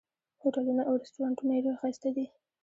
هوټلونه او رسټورانټونه یې ډېر ښایسته دي.